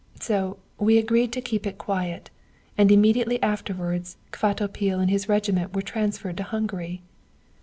"'So we agreed to keep it quiet, and immediately afterwards Kvatopil and his regiment were transferred to Hungary.